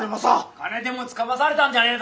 金でもつかまされたんじゃねえだろうな！